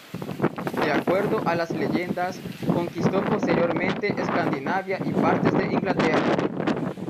De acuerdo a las leyendas, conquistó posteriormente Escandinavia y partes de Inglaterra.